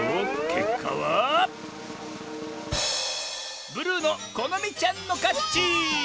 けっかはブルーのこのみちゃんのかち！